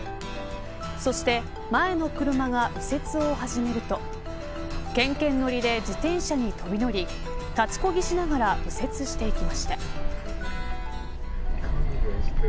そして前の車が右折を始めるとけんけん乗りで自転車に飛び乗り立ちこぎしながら右折していきました。